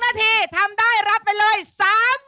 นาทีทำได้รับไปเลย๓๐๐๐